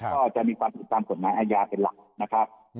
ก็จะมีความผิดตามกฎหมายอาญาเป็นหลักนะครับ